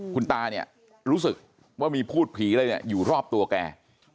คุณตาเนี่ยรู้สึกว่ามีพูดผีอะไรเนี่ยอยู่รอบตัวแก